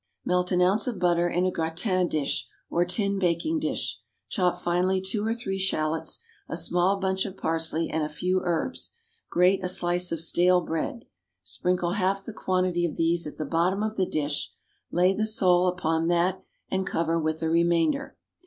= Melt an ounce of butter in a gratin dish, or tin baking dish. Chop finely two or three shallots, a small bunch of parsley, and few herbs, grate a slice of stale bread. Sprinkle half the quantity of these at the bottom of the dish, lay the sole upon that and cover with the remainder.